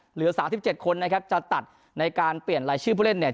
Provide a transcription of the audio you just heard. เหลือ๓๗คนนะครับจะตัดในการเปลี่ยนรายชื่อผู้เล่นเนี่ย